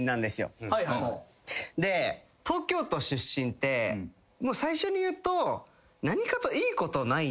東京都出身って最初に言うと。